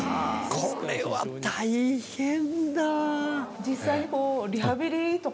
これは大変だ！